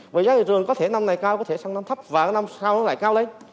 với giá thị trường có thể năm này cao có thể sang năm thấp và năm sau nó lại cao đấy